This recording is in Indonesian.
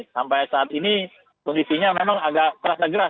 sampai saat ini kondisinya memang agak terasa gerah